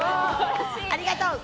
ありがとう！